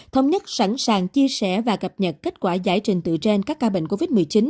thống nhất sẵn sàng chia sẻ và cập nhật kết quả giải trình từ trên các ca bệnh covid một mươi chín